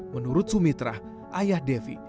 menurut sumitra ayah devi